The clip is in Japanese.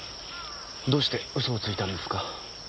どうして嘘をついたんですか？